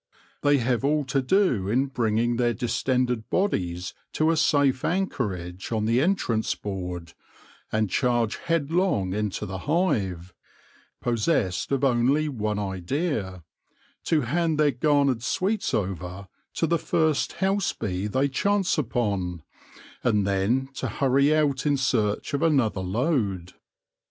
They have all to do in bringing their distended bodies to a safe anchorage on the entrance board, and charge headlong into the hive, possessed of only one idea — to hand their garnered sweets over to the first house bee they chance upon, and then to hurry out in search of another load.